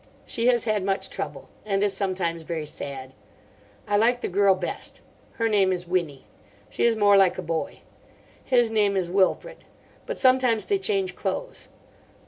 She has had much trouble. And is sometimes very sad. I like the girl best. Her name is Winnie. She is more like a boy. His name is Wilfrid. But sometimes they change clothes.